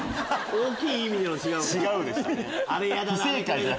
大きい意味での「違う」か。